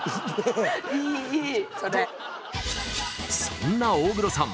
そんな大黒さん